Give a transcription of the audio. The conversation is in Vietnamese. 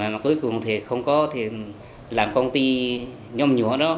mà cuối cùng không có thì làm công ty nhôm nhúa đó